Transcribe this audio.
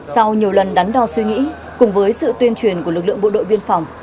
sau nhiều lần đắn đo suy nghĩ cùng với sự tuyên truyền của lực lượng bộ đội biên phòng